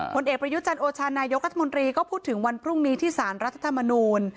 ผลเอกประยุจันโอชานายกรัฐมนตรีก็พูดถึงวันพรุ่งนี้ที่สารรัฐธรรมนูล